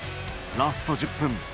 ラスト１０分。